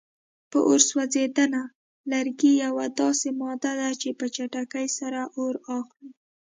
په اور سوځېدنه: لرګي یوه داسې ماده ده چې په چټکۍ سره اور اخلي.